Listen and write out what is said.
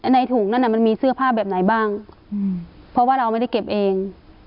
ในถุงนั้นมันมีเสื้อผ้าแบบไหนบ้างเพราะว่าเราไม่ได้เก็บเอง